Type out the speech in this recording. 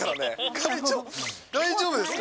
会長、大丈夫ですか。